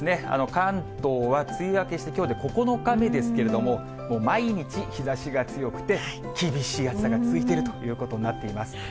関東は梅雨明けしてきょうで９日目ですけれども、毎日、日ざしが強くて、厳しい暑さが続いているということになっています。